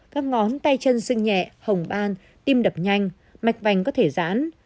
các ngón tay chân sưng nhẹ hồng ban tim đập nhanh mạch vành có thể rãn